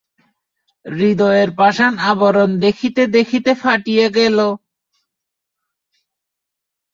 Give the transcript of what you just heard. হৃদয়ের পাষাণ-আবরণ দেখিতে দেখিতে ফাটিয়া গেল।